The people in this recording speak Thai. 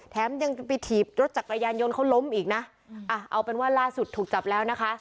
แถมยังไปถีบรถจักรยานยนต์เขาล้มอีกนะอ่ะเอาเป็นว่าล่าสุดถูกจับแล้วนะคะ